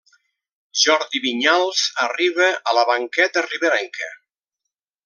Jordi Vinyals arriba a la banqueta riberenca.